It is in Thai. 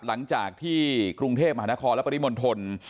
หลังจากที่กรุงเทพมหานครและปริมณฑล